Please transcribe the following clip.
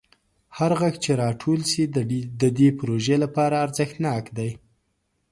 هر غږ چې راټول شي د دې پروژې لپاره ارزښتناک دی.